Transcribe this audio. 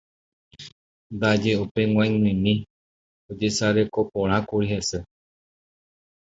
ndaje upe g̃uaig̃uimi ojesarekoporãkuri hese